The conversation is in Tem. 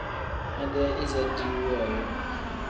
Medee iza diiwu wooyo.